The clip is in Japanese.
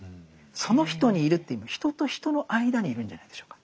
その人にいるというよりも人と人の間にいるんじゃないでしょうか。